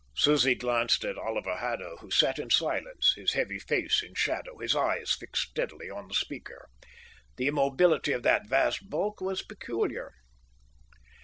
Susie glanced at Oliver Haddo, who sat in silence, his heavy face in shadow, his eyes fixed steadily on the speaker. The immobility of that vast bulk was peculiar.